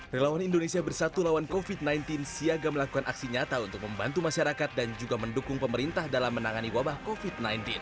relawan indonesia bersatu lawan covid sembilan belas siaga melakukan aksi nyata untuk membantu masyarakat dan juga mendukung pemerintah dalam menangani wabah covid sembilan belas